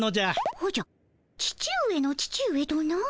おじゃ父上の父上とな。